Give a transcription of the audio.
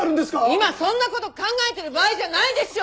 今はそんな事考えてる場合じゃないでしょう！